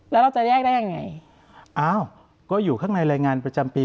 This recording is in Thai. แล้วเราจะแยกได้ยังไงอ้าวก็อยู่ข้างในรายงานประจำปี